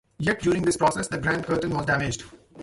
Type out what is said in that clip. Yet during this process the grand curtain was damaged.